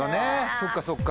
そっかそっか。